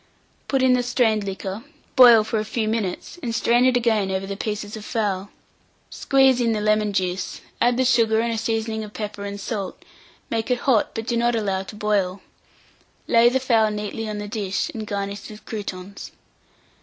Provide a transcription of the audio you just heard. Put in the strained liquor, boil for a few minutes, and strain it again over the pieces of fowl. Squeeze in the lemon juice, add the sugar and a seasoning of pepper and salt, make it hot, but do not allow it to boil; lay the fowl neatly on the dish, and garnish with croûtons.